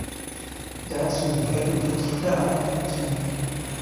Dazu gehörten Vertreter aller Fraktionen.